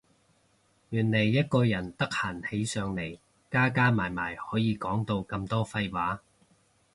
原來一個人得閒起上嚟加加埋埋可以講到咁多廢話